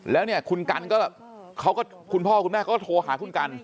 แล้วคุณกัลคุณพ่อคุณแม่เขาก็โทรหาคุณกัล